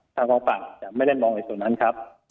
ทางกองปราบจะไม่ได้มองในส่วนนั้นครับ